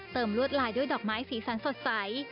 ลวดลายด้วยดอกไม้สีสันสดใส